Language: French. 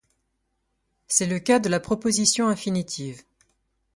C’est le cas de la proposition infinitive.